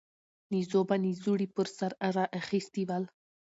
نيزو به نيزوړي پر سر را اخيستي ول